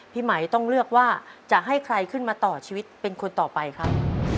พี่ไหมต้องเลือกว่าจะให้ใครขึ้นมาต่อชีวิตเป็นคนต่อไปครับ